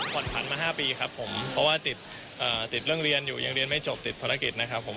ผ่อนผันมา๕ปีครับผมเพราะว่าติดเรื่องเรียนอยู่ยังเรียนไม่จบติดภารกิจนะครับผม